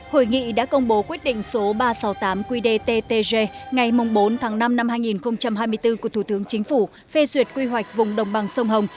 hội nghị đã công bố quyết định số ba trăm sáu mươi tám qdttg ngày bốn tháng năm năm hai nghìn hai mươi bốn của thủ tướng chính phủ phê duyệt quy hoạch vùng đồng bằng sông hồng